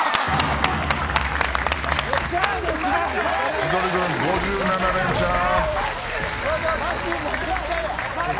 千鳥軍５７レンチャン。